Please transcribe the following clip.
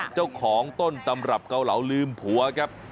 เจ้าของต้นตำรับเกาเหลาลืมผัวครับ